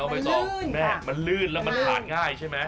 โว้ยสองแม่มันลื่นแล้วมันหลานง่ายใช่ไหม